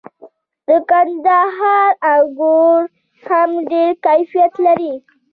د کندهار انګور هم ډیر کیفیت لري.